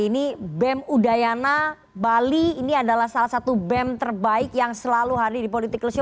ini bem udayana bali ini adalah salah satu bem terbaik yang selalu hadir di political show